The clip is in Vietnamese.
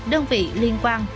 đơn vị liên quan